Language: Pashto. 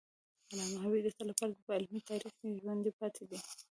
علامه حبیبي د تل لپاره په علمي تاریخ کې ژوندی پاتي دی.